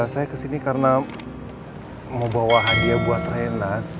saya kesini karena mau bawa hadiah buat renat